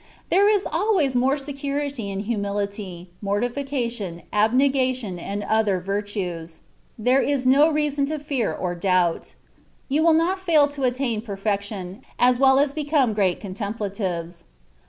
There is always more security in humility, mortification, abne gation and other virtues ; there is no reason to fear or doubt ; you will not fail to attain perfection, as well as become great contemplatives.